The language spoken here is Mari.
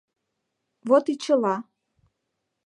Вот и чыла.